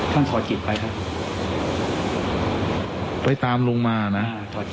ท่านพาผมมาบอกว่า